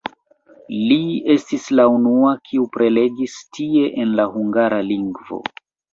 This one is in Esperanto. Li estis la unua, kiu prelegis tie en la hungara lingvo.